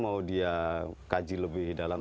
mau dia kaji lebih dalam